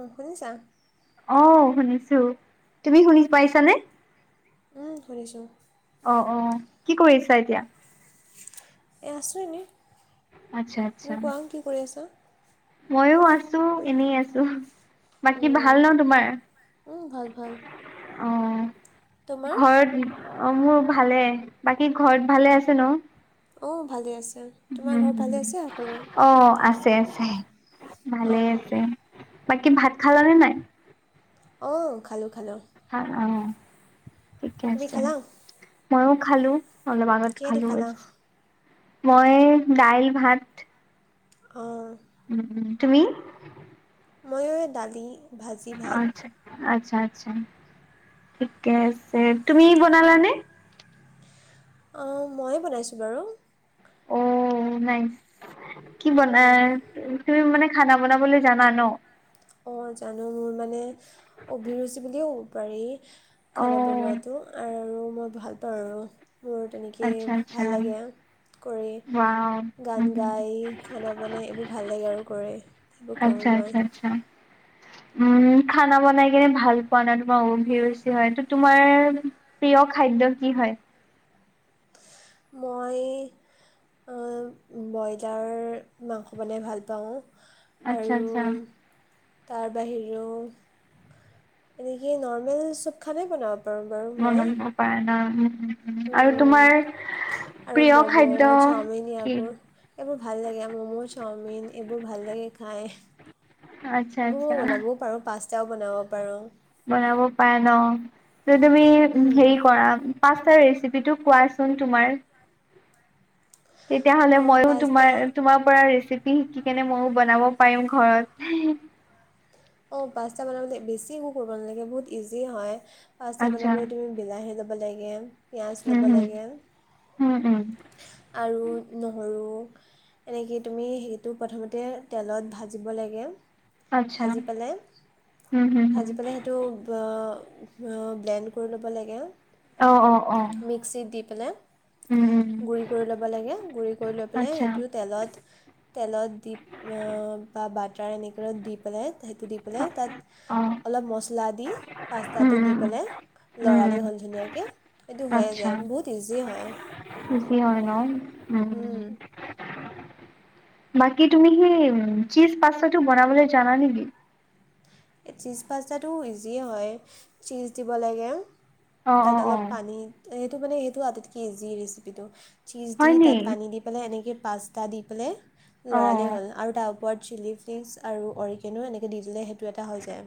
অ', শুনিছা? অঁ শুনিছো, তুমি শুনি পাইছানে? উম, শুনিছোঁ অ', অ', কি কৰি [unintelligible] এতিয়া? এ আছো এনে। আচ্ছা আচ্ছা। তুমি কোৱা কি কৰি আছা। মইয়ো আছো, এনেই আছো। বাকী ভাল উম, ন তোমাৰ? উম, ভাল ভাল অ' তোমাৰ ঘৰত অ' মোৰ ভালে বাকী, ঘৰত ভালে আছে ন? অ' ভালে আছে। তোমাৰ হম ঘৰত হম ভালেই আছে সকলোৰে অ' আছে। ছে আছে। ভালে অঁ আছে। বাকী ভাত খালানে নাই? অ', খালো খালো। হা অঁ, তুমি খালা? মইও খালো। অলপ আগত কিহেদি খালোঁ খালা [unintelligible] মই দাইল, ভাত। অ'। উম উম তুমি? মইও এ দালি ভাজি, ভাত। আচ্ছা আচ্ছা, ঠিকে আছে, তুমি বনালানে? অ' ময়ে বনাইছোঁ বাৰু। অ' নাইছ। কি উম, বনাই তুমি মানে খানা বনাবলৈ জানা ন? অঁ জানো মোৰ মানে অভিৰুচি বুলিয়ে ক'ব পাৰি। অ খানা বনোৱাতো আৰু মই ভাল পাওঁ আৰু মোৰ তেনেকেই আচ্ছা আচ্ছা ভাল লাগে কৰি ৱাও উম গান হুম গাই খানা বনাই এইবোৰ ভাল লাগে আৰু কৰি সেইবোৰ আচ্ছা কৰোঁ আচ্ছা মই আচ্ছা উম খানা বনাই কিনে ভাল পোৱা নাই তোমাৰ অভিৰুচি হয় ত তোমাৰ প্ৰিয় খাদ্য কি হয় মই বইলাৰ মাংস বনাই ভাল পাওঁ আচ্ছা আৰু আচ্ছা তাৰ বাহিৰেও এনেক নৰ্মেল চব খানায়ে বনাম ম পায় ন উম উম আৰু তোমাৰ আৰু প্ৰিয় ম'ম' খাদ্য চাওমিন কি এইাবোৰ এইবোৰ ভাল লাগে ম'ম' চা চাওমিন এইবোৰ ভাল লাগে খায় আচ্ছা আচ্ছা তাও বনাব পাৰোঁ বনাব পাৰা ন যে তুমি উম, হেৰি কৰা পাঁচটা ৰেষ্ট ৰেচিপিটো কোৱাচোন তোমাৰ তেতিয় হ'লে অঁ ময়ো পাষ্টা তোমাৰ তোমাৰ পৰা ৰেচিপু শিকি কেনে মইও বনাব পাৰিম ঘৰত অঁ পাঁচটামানৰ বেছি একো কৰিব নালাগে বহুত ইজি হয় পাচতা আচ্ছা বনাবলৈ তুমি বিলাহী লব লাগে পিঁয়াজ উম ল'ব হুম লাগে উম উম আৰু নহৰু এনেকে তুমি সেইটো প্ৰথমতে তেলত ভাজিব লাগে আত্ছা ভাজি পেলাই ভাজি পেলাই সেইটো ব্লেণ্ড কৰি ল'ব লাগে অ অ অ মিক্সিত দি পেলাই উম উম গুৰি কৰি ল'ব লাগে গুড়ি কৰি লৈ পেলাই আচ্ছা সেইটো তেলত তেলত দি বা বাট টা নিকলো দিপলে স দি পেলাই তাত অ উম অলপ মছলা দি পাস্তাটো দি উম উম। পেলাই উম লৰালই উম হ'ল ধুনীয়াকৈ সেইটো হৈয়ে আচ্ছা যায় বহুত ইজি হয় ইজি হয় ন উম বাকী তুমি সি উ চীজ পাাস্তাটো বনাবলৈ জানা নেকি এই চিজ পাস্তাটো ইজিয়ে হয় চিজ দিব লাগে অ অ তাত অ অলপ পানী সেইটো মানে সেইটো আটাইতকৈ ইজি ৰেচিপিটো চীজ দি হয় নি তাত পানী দি পেলাই এনেকৈ পাস্তা দি পেলাই অ। লৰালি হ'ল আৰু তাৰ ওপৰত চিলি ফ্লিক্ছ আৰু অৰিকেনো এনেকে দি দিলে সটো এটা হৈ যায়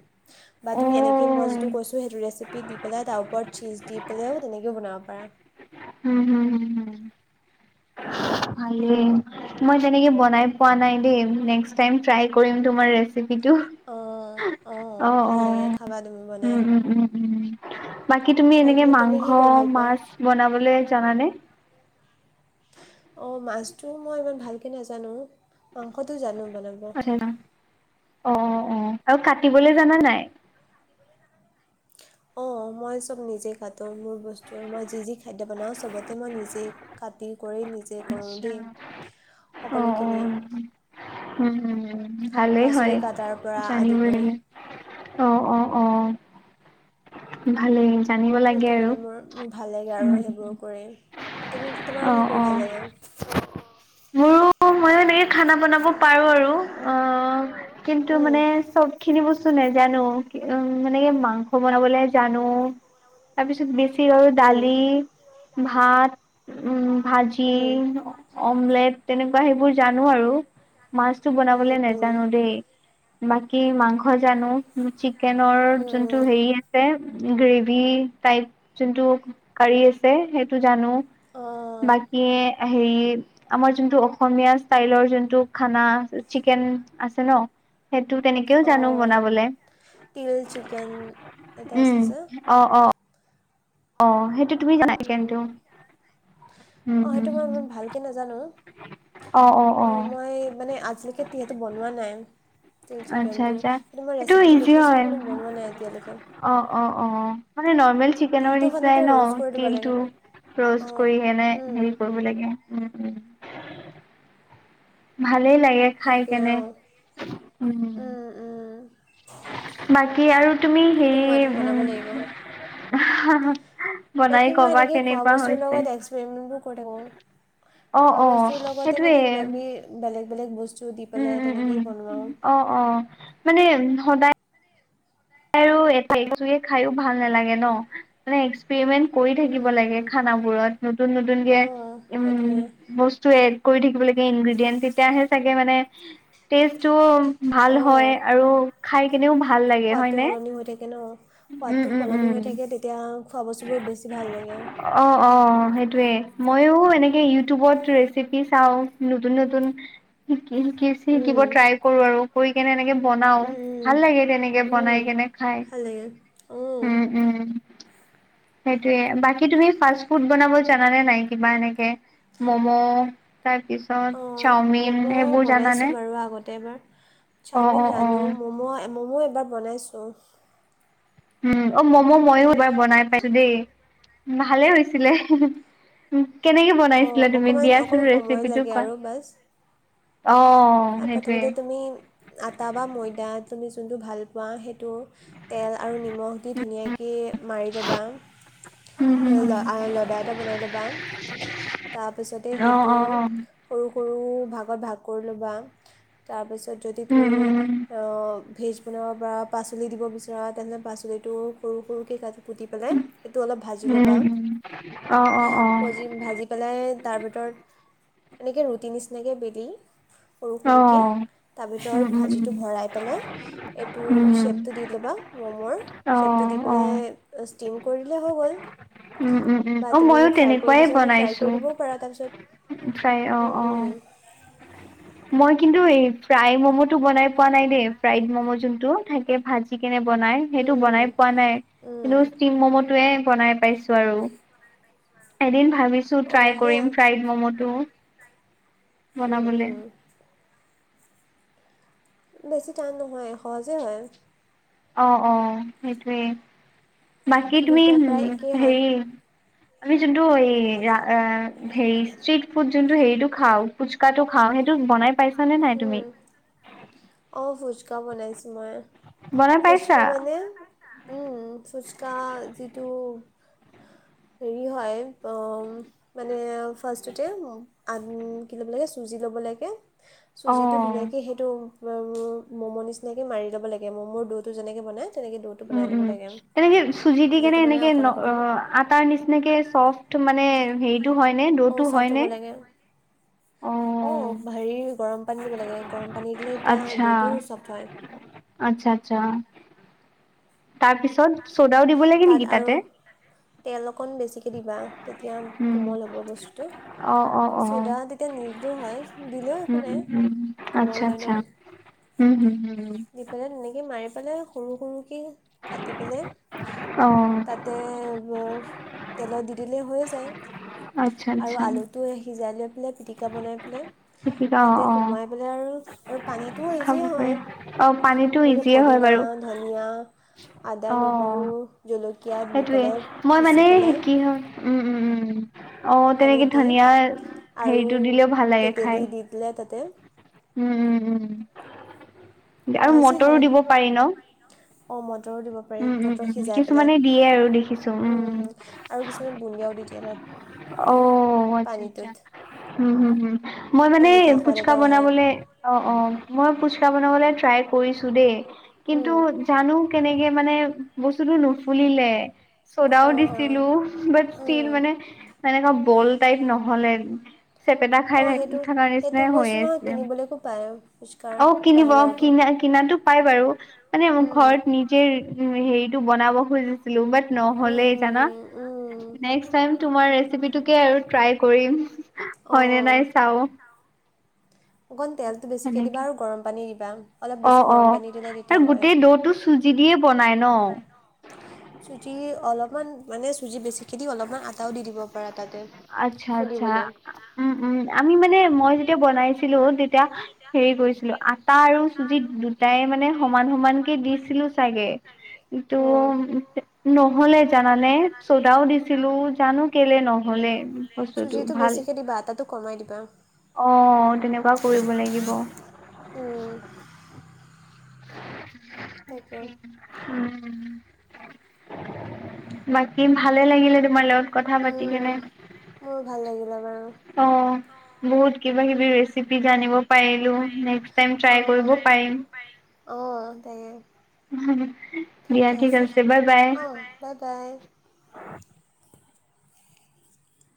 বা অ তুমি এনেকেই মই যিটো কৈছোঁ সেইটো ৰেচিপি দি পেলাই তাৰ ওপৰত চীজ দি পেলাইও তেনেকৈ বনাব পাৰা উম হম হম হম ভালেই মই তেনেকে বনাই পোৱা নাই দেই তমাৰ অঁ অঁ অ অ ভাল লাগে খাবা তুমি বনাই উম উম উম উম বাকী তুমি এনেকে বাকী তুমি মাংস কি কৰি ভাল পোৱা মাছ বনাবলৈ জানানে অ মাছটো মই ইমান ভালকে নাজানো মাংসটো জানো বনাবৰ আচ্ছা অ অ অ আৰু কাটিবলৈ জানা নাই অঁ মই চব নিজেই কাটো মোৰ বস্তু মই যি যি খাদ্য বনাওঁ চবতে মই নিজেই কাটি কৰি নিজে কৰোঁ া দেই অ অ সকলোখিনি উ ভালে হয় পাচলি কটাৰ পৰা জানি আদি বলে কৰি অ অ অ ভালে সেইটো মানে মোৰ মোৰ ভাল লাগে আৰু উম সেইবোৰ কৰি তুমি তোমাৰ অ কি কৰ অ ভাল লাগে সেনেকে খানা বনাব পাৰো আৰু অ কিন্তু উম মানে চব খিনি বস্তু ছ নাই জানো উ মানে কি মাংস বনাবলে জানো তাৰপিছত বেছি তিয়ৰ উম দালি ভাত উম ভাজি উম অমলেট তেনেকুৱা সেইবোৰ জানো আৰু মাছতটো উম বনাবলৈ উম নোজানো দেই বাকী মাংস জানো চিকেনৰ যোনটো উম হেৰি আছে গ্ৰেভি টাইপ যোনটো কাৰাী আছে সেইটো জানো অঁ বাকী হেৰি আমাৰ যোনটো অসমীয়া ষ্টাইলৰ যোনটো খানা চিকেন আছে ন সেইটো তেনেকেও জানো অঁ বনাবলে তিল চিকেন এটা আছে উম যে অ অ অ সেইটো তুমি জানা অঁ চিকেনটো উম সেইটো হম মই হম ইমান ভালকৈ নাজানো অ অ অ অঁ মই মানে আজিলৈকে যিহেতু বনোৱা নাই তিল আচ্ছা চিকেনটো আচ্ছা কিন্তু মই সেইটো ৰেচিপিটো ইজি দেখিছোঁ হয় কিন্তু বনোৱা নাই এতিয়ালৈকে অ অ অ মানে ন চেনৰ তিলটো নিিনাই সাধাৰণতে ন ৰোষ্ট কৰি দিব তিল লাগে ন অঁ কৰি হ উম, কৰিব ল উম ভাল ভালেই লাগে খাই তাকে কেনে, অঁ উম। বাকী আৰু তুমি সেইটো হেৰি মই এদিন উম। বনাব লাগিব উম হা হা বাকী মই এনেকে খোৱা বস্তুৰ লগত এক্সপেৰিমেণ্টবোৰ [unintelligible] অ', খোৱা অ', বস্তুৰ লগতে সেইটোৱে। মানে কিবা কিবি, বেলেগ বেলেগ বস্তু স্তু দি উম, পেলাই উম, তেনেকেই উম, বনোৱাও। অ', অ'। সদায় [unintelligible] খায়ো ভাল নালাগে ন, মানে এক্সপেৰিমেন্ট কৰি থাকিব লাগে উম, খানাবোৰত নতুন নতুনকে, অঁ উম সেইটোৱে বস্তু [unintelligible] কৰি থাকিব লে ইনগ্ৰেডিয়েন্ট তেতিয়াহে চাগে মানে, টেষ্টো ভাল হয়, অঁ আৰু খাই কেনেও ভাল ভাল লাগে হয় ন? [unintelligible] হৈ থাকে ন সোৱাদতো সলনি হৈ থাকে তেতিয়া অ খোৱা বস্তুবোৰ বেছি ভাল লাগে অঁ টোৱে ময়ো এনেকে ইউটিউবত ৰেচিপি চাও নতুন নতুন শিকি শিকি শিকিব উম, ট্ৰাই কৰো আৰু কৰি কেনে এনেকে বনাও উম, উম, ভাল লাগে তেনেকে উম, বনাই কেনে, খাই, ভাল লাগে উম উম। সেইটোৱে বাকী তুমি ফাষ্ট ফুড বনাব জানানে নাই? কিবা এনেকে, মম' তাৰপিছত অঁ চাওমিন ম'ম' সেইবোৰ বনাইছোঁ জানানে বাৰু আগতে এবাৰ অ', চাওমিন অ', জানো অ', ম'ম' ম'ম' এবাৰ বনাইছোঁ। উম অ মম' ময়ো এবাৰ বনাই পাইছো দেই ভালে হৈছিলে। কেনেকে অঁ বনাইছিলা তুমি অকণমান দিয়াচোন অকণ সময় ৰেচিপিটো লাগে কোৱা, আৰু বাছ অঁ প্ৰথমতে তুমি আটা বা ময়দা তুমি যোনটো ভাল পোৱা সেইটো তেল আৰু নিম নিমখ দি ধুনীয়াকে মাৰি লবা, উম, হুম, হুম। আ লডা এটা বনাই লবা তাৰপিছতে অ', সেইটো অ', অ', সৰু সৰু ভাগত ভাগ কৰি লবা। তাৰ পিছত যদি উম, তুমি উম, [unintelligible] ভেজ বনাব পৰা পাচলি দিব বিচৰা তেনেহ'লে পাচলিটো সৰু সৰুকৈ কাট [unintelligible] কুটি পেলাই সেইটো অলপ ভাজি উম, ল'বা, উম। উম। অ', অ', ভজি অ', ভাজি পেলাই তাৰ ভিতৰত এনেকৈ ৰুটিৰ নিচিনাকৈ বেলি সৰু সৰুকৈ অ', তাৰ উম, ভিতৰত উম, ভাজিটো ভৰাই পেলাই এইটো উম, উম, শ্বেপটো দি ল'বা মমৰ শ্বেপটো দি অ', অ'। পেলাই ষ্টিম কৰি দিলেই হৈ গ'ল উম, উম, উম, বা অ', তুমি মইয়ো ফ্ৰাই কৰিব তেনেকুৱাই বিচাৰিলে ফ্ৰাই বনাইছো কৰি দিবও পাৰা তাৰপিছত ফ্ৰাই [unintelligible] অ', উম অ'। উম মই কিন্তু এই ফ্ৰাই ম'ম' টো বনাই পোৱা নাই দেই ফ্ৰাইড ম'ম' যোনটো থাকে ভাজি কেনে বনাই উম, সেইটো উম, বনাই পোৱা নাই কিন্তু উম। ষ্টিম ম'ম' য়ে বনাই পাইছো আৰু--এদিন ভাবিছো অ', ট্ৰাই সেয়া। কৰিম ফ্ৰাইড ম'ম' টো উম, বনাবলৈ উম। বেছি টান নহয় সহজেই হয় অ অ সেইটোৱেই বাকি দুইটা তুমিম প্ৰায় একেই হয়। হেৰি আমি যোনটো এই আহ-আহ হেৰি ষ্ট্ৰিট ফুড যোনটো হেৰিটো খাওঁ ফুচকাটো খাওঁ সেইটো বনাই পাইছা নে নাই তুমি অঁ ভুচকা বনাইছোঁ মই বনাই পাইছা? ফুচকা মানে উম ফুচকা [unintelligible] কা যিটো হেৰি হয় উম মানে ফাৰষ্ট টে ম [unintelligible] আ কি ল'ব লাগে চুজি ল'ব লাগে চুজিটো অ', ধুনীয়াকৈ সেইটো মম' নিচিনাকৈ মাৰি ল'ব লাগে ম'মোৰ দৌটো যেনেকৈ বনায় তেনেকৈ ড'টো উম বনাই ল'ব উম লাগে। তেনেকে চুজি দি ড'টো কেনে বনাই এনেকে অকণ অকণকৈ। [unintelligible] আটাৰ নিচিনাকে চফট মানে হেৰিটো হয় দৌো হয় ন অ' ভেৰি [unintelligible] গৰম পানী দিব লাগে গৰম পানী দিলে তেতিয়া আচ্ছা, দুইটো চফ্ট হয় আচ্ছা, আচ্ছা, তাৰপিছত চ'দাও দিব লাগে নেকি তাতে তেলোক কন বেছিকে দিবা তেতিয়া উম, কোমল হব বস্তু টো অ', অ', অ', ছ'ডা তেতিয়া নিদিলেও হয় দিলেও একো উম, নাই উম, উম, কোমল আচ্ছা, হৈ ন আচ্ছা, উম, হুম, হুম, দি পেলাই তেনেকে [unintelligible] পেলাই সৰু সৰুকৈ কাটি পেলাই অ', তাতে [unintelligible] তেলত দি দিলেই হৈ যায় আচ্ছা আৰু আচ্ছা আলুটো সিজ [unintelligible] নে পিটিকা বনাই পেলে পিটিকা তাতে অ অ সোমোৱাই পেলাই আৰু পানীটো‌ খাব ইজিয়ে পাৰি হয়, অ পানীটো এনেকে ইজিয়ে হয় পদিনা, বাৰু ধনিয়া, আদা, নহৰু অহ জলকীয়া দি সেইটোৱে, পেলাই মই পিচি মানে পেলাই কি হয়, উম‌ উম উম অহ তেনেকে পানীত দি ধুনীয়া আৰু হেৰিটো দিলেও ভাল লাগে তেতেলী খায়। দি দিলে তাতে উম উম উম আৰু মটৰো দিব পাৰি নহ'? অহ ম মটৰো দিব পাৰি। মটৰ সিজাই দিয়ে আৰু পেলাই দেখিছো উম‌ উম আৰু কিছুমান বুন্দিয়াও দি দিয়ে তাত অহ, আচ্ছা আচ্ছা পানীটোত হম হম হম মই তাত মানে মিঠা সোৱাদ ফুচকা এটাও আহে বনাবলে, অহ অহ মই ফুচকা বনাবলে ট্ৰাই কৰিছো দেই কিন্তু, জানো এনেকে মানে বস্তুটো নুফুলিলে। চ'দাও অঁ দিছিলো বাট ষ্টীল অঁ মানে এনেকুৱা বল টাইপ নহ'লে চেপেটা খাই অঁ থা সেইটো থাকাৰ নিচিনা সেইটো বস্তু হৈয়ে নহয় আছে, কিনিবলৈকো পায় ফুচকাৰ অ', কিনিব বাহিৰৰটো কিনা কিনাতো পাই বাৰু মানে উম ঘৰত নিজে হেৰি টো বনাব খুজিছিলো, বাট উম নহ'লেই জানা, উম উম নেক্সট টাইম তোমাৰ ৰেচিপিটোকে আৰু ট্ৰাই কৰিম। হয় নে অঁ নাই চাওঁ। অকণ তেলটো হয় বেছিকৈ দিবা নেকি, আৰু গৰম পানী দিবা অলপ বেছি অ', গৰম অ', পানী দিলে তেতিয়া আৰু হয় গোটেই দ'টো চুজি দিয়ে বনাই ন'। চুজি অলপমান মানে চুজি বেছিকৈ দি- দি অলপমান আটাও দি দিব পাৰা। তাতে আচ্ছা, আচ্ছা। ফুলিবলৈ উম, উম, আমি মানে মই যেতিয়া বনাইছিলো তেতিয়া হেৰি কৰিছিলো আটা আৰু চুজি দুটাই মানে সমান সমানকে দিছিলো চাগে কিন্তু' অ'। নহ'লে জানানে চদাও দিছিলো, জানো কেলে ন হ'লে বস্তুটো চুজিটো ভাল বেছিকে দিবা আটাটো কমাই দিবা অহ, তেনেকুৱা কৰিব লাগিব। উম তাকে। উম উম, লা ভালে লাগিলে তোমাৰ লগত কথা পাতি কেনে, মোৰো ভাল লাগিলে বাৰু। অ'। বহুত কিবা কিবি ৰেচিপি জানিব পাৰিলো, নেক্সট টাইম ট্ৰাই কৰিব অঁ পাৰিম। অঁ তাকে দিয়া ঠিক আছে, বাই বাই। অঁ বাই বাই। [inaudible]